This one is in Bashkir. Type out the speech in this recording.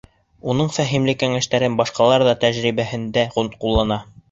Уның фәһемле кәңәштәрен башҡалар үҙ тәжрибәһендә ҡуллана.